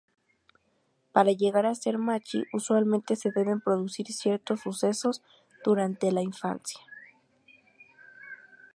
Para llegar a ser machi usualmente se deben producir ciertos sucesos durante la infancia.